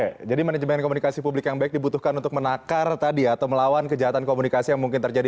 oke jadi manajemen komunikasi publik yang baik dibutuhkan untuk menakar tadi atau melawan kejahatan komunikasi yang mungkin terjadi